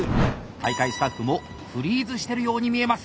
大会スタッフもフリーズしてるように見えます。